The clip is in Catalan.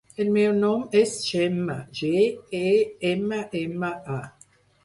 El meu nom és Gemma: ge, e, ema, ema, a.